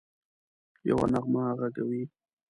یوه نغمه ږغوي